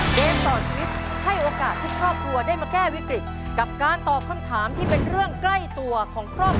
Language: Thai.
เกมต่อชีวิตให้โอกาสทุกครอบครัวได้มาแก้วิกฤตกับการตอบคำถามที่เป็นเรื่องใกล้ตัวของครอบครัว